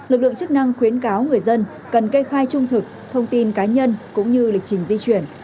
lực lượng chức năng khuyến cáo người dân cần kê khai trung thực thông tin cá nhân cũng như lịch trình di chuyển